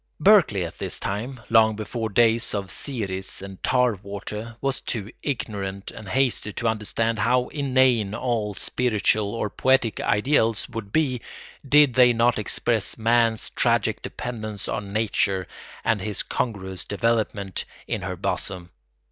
Berkeley at this time—long before days of "Siris" and tar water—was too ignorant and hasty to understand how inane all spiritual or poetic ideals would be did they not express man's tragic dependence on nature and his congruous development in her bosom.